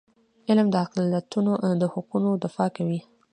علم د اقلیتونو د حقونو دفاع کوي.